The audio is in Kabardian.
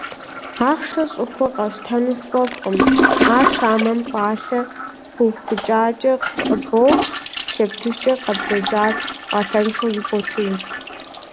Ахъшэ щӏыхуэ къэсщтэну сфӏэфӏкъым: ар хамэм пӏалъэ пыухыкӏакӏэ къыӏыбох, щептыжкӏэ - къэблэжьар пӏалъэншэу иботыж.